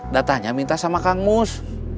datanya minta sama kang mus